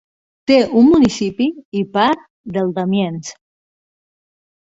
Té un municipi i part del d'Amiens.